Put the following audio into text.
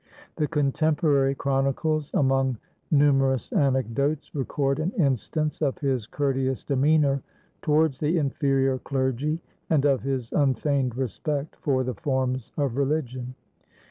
The contemporary chronicles, among nu merous anecdotes, record an instance of his courteous demeanor towards the inferior clergy, and of his un feigned respect for the forms of religion.